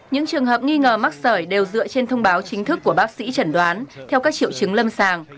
những trường hợp nghi ngờ mắc sởi đều dựa trên thông báo chính thức của bác sĩ chẩn đoán theo các triệu chứng lâm sàng